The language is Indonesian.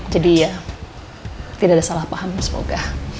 jadi ya tidak ada salah paham semoga